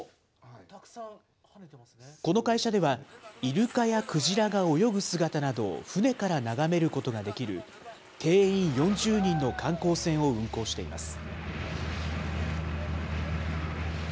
この会社では、イルカやクジラが泳ぐ姿などを船から眺めることができる、定員４０人の観光船を運航しています。